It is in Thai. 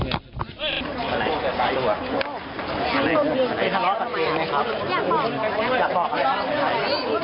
ผู้หลังมันตายผู้หลังมันตายผู้หลังมันตาย